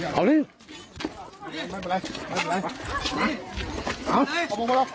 ฟังจริงฟังจริงเอาอันนี้